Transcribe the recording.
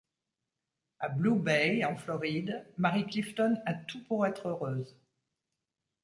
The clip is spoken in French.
À Blue Bay, en Floride, Marie Clifton a tout pour être heureuse.